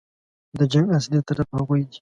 د جنګ اصلي طرف هغوی دي.